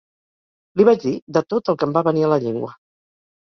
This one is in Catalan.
Li vaig dir de tot el que em va venir a la llengua.